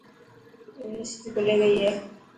يونيورسٽي کلي گئي هي.